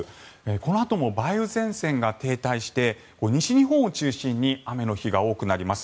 このあとも梅雨前線が停滞して西日本を中心に雨の日が多くなります。